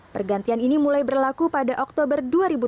pergantian ini mulai berlaku pada oktober dua ribu tujuh belas